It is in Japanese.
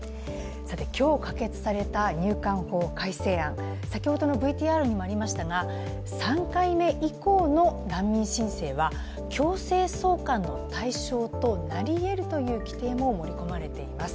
今日可決された入管法改正案、先ほどのＶＴＲにもありましたが３回目以降の難民申請は強制送還の対象となりえるという規定も盛り込まれています。